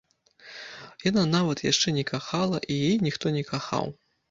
Яна нават яшчэ не кахала, і яе ніхто не кахаў.